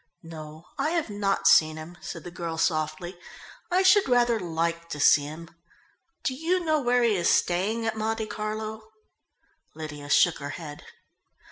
"No, I have not seen him," said the girl softly. "I should rather like to see him. Do you know where he is staying at Monte Carlo?" Lydia shook her head.